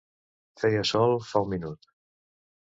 Feia sol fa un minut!